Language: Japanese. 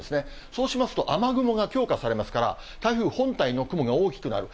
そうしますと、雨雲が強化されますから、台風本体の雲が大きくなる。